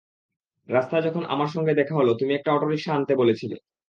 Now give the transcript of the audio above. রাস্তায় যখন আমার সঙ্গে দেখা হলো তুমি একটা অটোরিকশা আনতে বলেছিলে।